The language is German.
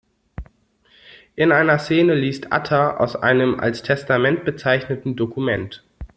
In einer Szene liest Atta aus einem als Testament bezeichneten Dokument.